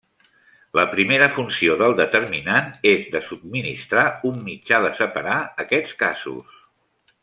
La primera funció del determinant és de subministrar un mitjà de separar aquests casos.